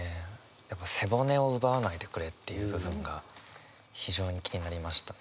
やっぱ「背骨を、奪わないでくれ」っていう部分が非常に気になりましたね。